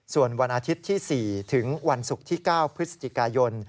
ส่วนวันอาทิตย์ที่๔ถึงวันศุกร์ที่๙พฤศจิกายน